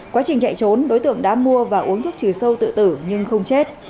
quá trình chạy trốn đối tượng đã mua và uống thuốc trừ sâu tự tử nhưng không chết